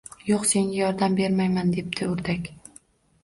– Yo‘q, senga yordam bermayman, – debdi o‘rdak